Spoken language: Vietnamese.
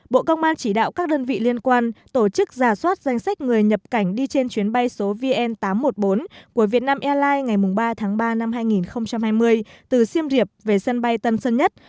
bộ công an chỉ đạo các đơn vị liên quan tổ chức giả soát danh sách người nhập cảnh đi trên chuyến bay số vn tám trăm một mươi bốn của việt nam airlines ngày ba tháng ba năm hai nghìn hai mươi từ siêm riệp về sân bay tân sơn nhất